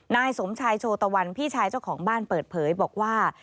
นายสมชายโชตะวันพี่ชายเจ้าของบ้านเปิดเผยบอกว่า